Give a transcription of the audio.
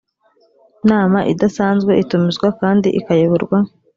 nama idasanzwe itumizwa kandi ikayoborwa